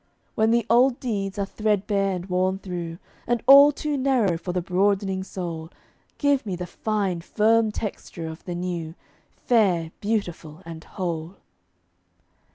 When the old deeds are threadbare and worn through, And all too narrow for the broadening soul, Give me the fine, firm texture of the new, Fair, beautiful, and whole!